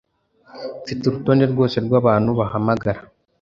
mfite urutonde rwose rwabantu bahamagara